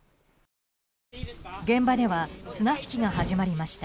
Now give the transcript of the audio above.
現場では綱引きが始まりました。